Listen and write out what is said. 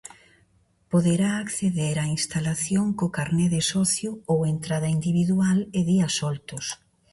Poderá acceder á instalación co carné de socio ou entrada individual e días soltos.